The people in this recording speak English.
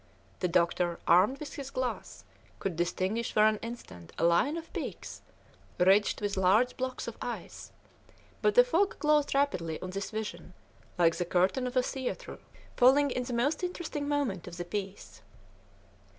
The doctor, armed with his glass, could distinguish for an instant a line of peaks, ridged with large blocks of ice; but the fog closed rapidly on this vision, like the curtain of a theatre falling in the most interesting moment of the piece.